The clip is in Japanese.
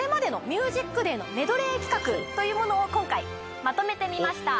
これまでの『ＭＵＳＩＣＤＡＹ』のメドレー企画というものを今回まとめてみました